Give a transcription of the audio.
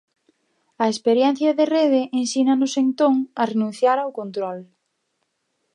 A experiencia de rede ensínanos entón a renunciar ao control.